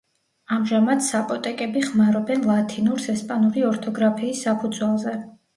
ამჟამად საპოტეკები ხმარობენ ლათინურს ესპანური ორთოგრაფიის საფუძველზე.